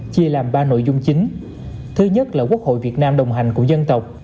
chia làm ba nội dung chính thứ nhất là quốc hội việt nam đồng hành của dân tộc